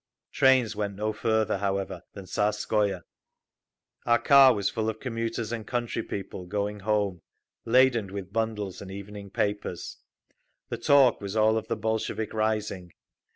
Trains went no further, however, than Tsarskoye…. Our car was full of commuters and country people going home, laden with bundles and evening papers. The talk was all of the Bolshevik rising.